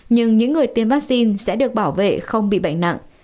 nhưng những người tiêm vaccine sẽ được bảo vệ không bị bệnh nặng